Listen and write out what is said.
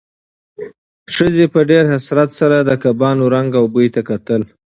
ښځې په ډېر حسرت سره د کبابو رنګ او بوی ته کتل.